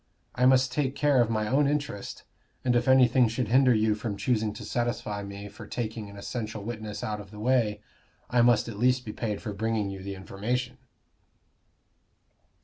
I must take care of my own interest, and if anything should hinder you from choosing to satisfy me for taking an essential witness out of the way, I must at least be paid for bringing you the information."